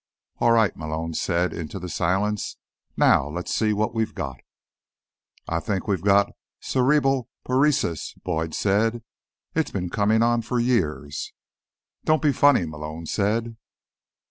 "All right," Malone said into the silence. "Now let's see what we've got." "I think we've got cerebral paresis," Boyd said. "It's been coming on for years." "Don't be funny," Malone said.